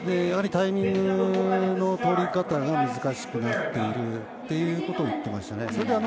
やはりタイミングの取り方が難しくなっているということを言っていましたね。